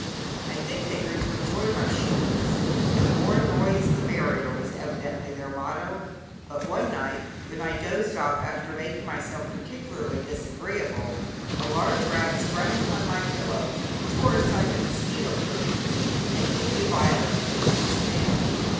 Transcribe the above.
I think they grew to enjoy my "shooings;" "the more noise the merrier" was evidently their motto; but one night when I dozed off after making myself particularly disagreeable, a large rat sprang upon my pillow, tore aside the mosquito curtains, and hit me violently with its tail.